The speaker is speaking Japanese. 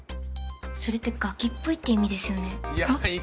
それってガキっぽいって意味ですよね？